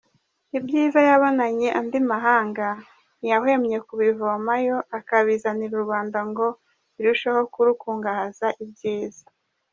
Ibyiza yabonanye andi mahanga, ntiyahwemye kubivomayo akabizanira u Rwanda ngo birusheho kurukungahaza ibyiza.